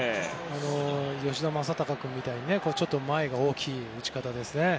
吉田正尚君みたいに前が大きい打ち方ですね。